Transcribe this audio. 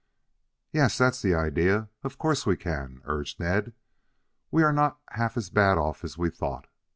"Yes, that's the idea. Of course we can," urged Ned. "We are not half as bad off as we thought.